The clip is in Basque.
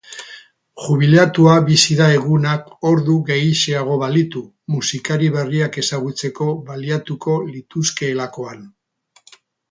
Jubilatuta bizi da egunak ordu gehixeago balitu, musikari berriak ezagutzeko baliatuko lituzkeelakoan.